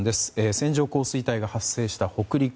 線状降水帯が発生した北陸。